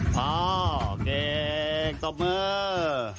พ่อเก่งตบมือ